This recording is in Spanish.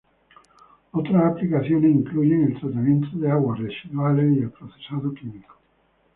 Otras aplicaciones incluyen el tratamiento de aguas residuales y el procesado químico.